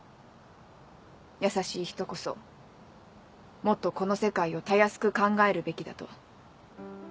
優しい人こそもっとこの世界をたやすく考えるべきだと。